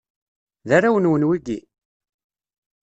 D arraw-nwen wigi?